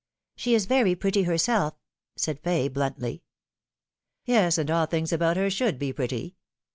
" She is very pretty herself," said Fay bluntly. " Yes, and all things about her should be pretty.